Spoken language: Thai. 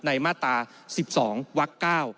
ในมาตร๑๒วัก๙